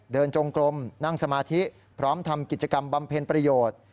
จงกลมนั่งสมาธิพร้อมทำกิจกรรมบำเพ็ญประโยชน์